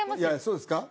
そうですか？